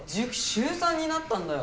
週３になったんだよ。